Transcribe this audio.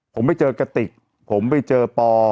ผมไปเจอกระติกผมไปเจอปอ